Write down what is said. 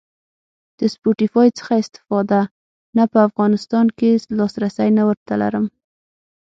د سپوټیفای څخه استفاده؟ نه په افغانستان کی لاسرسی نه ور ته لرم